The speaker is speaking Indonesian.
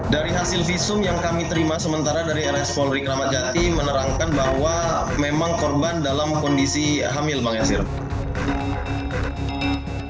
dari hasil visum yang kami terima sementara dari rs polri kramat jati menerangkan bahwa memang korban dalam kondisi hamil bang esiro